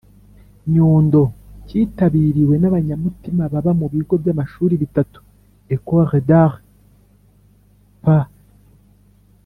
nyundo. cyitabiriwe n’abanyamutima baba mu bigo by’amashuri bitatu : ecole d’arts, p